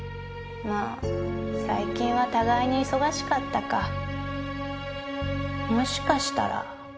まあ最近は互いに忙しかったかもしかしたら。